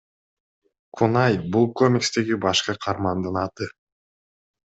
Кунай — бул комикстеги башкы каармандын аты.